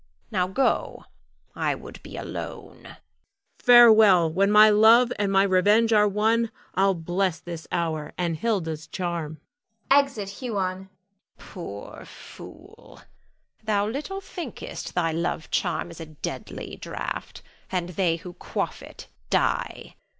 Now go; I would be alone. Huon. Farewell! When my love and my revenge are won, I'll bless this hour and Hilda's charm. [Exit Huon. Hilda. Poor fool! thou little thinkest thy love charm is a deadly draught, and they who quaff it die.